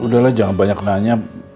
udah lah jangan banyak nanya